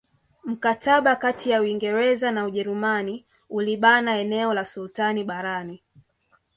Mkataba kati ya Uingereza na Ujerumani ulibana eneo la sultani barani